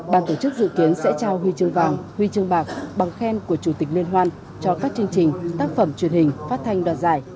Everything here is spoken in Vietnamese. ban tổ chức dự kiến sẽ trao huy chương vàng huy chương bạc bằng khen của chủ tịch liên hoan cho các chương trình tác phẩm truyền hình phát thanh đoạt giải